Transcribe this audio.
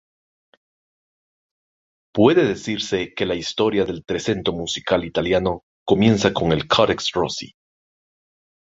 Puede decirse que la historia del trecento musical italiano comienza con el Codex Rossi.